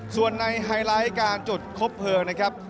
ส่วนในไฮไลท์การจุดคบเพลิงนะครับ